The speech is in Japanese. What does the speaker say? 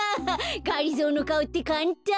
がりぞーのかおってかんたん。